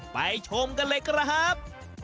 ชมกันเลยครับ